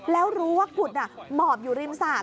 แล้วรู้ว่ากุดหมอบอยู่ริมสระ